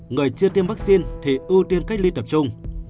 người chưa tiêm vaccine thì ưu tiên cách ly tập trung